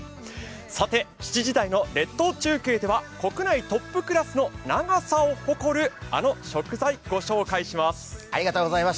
さて７時台の列島中継では国内トップクラスの長さを誇るあの食材、御紹介します。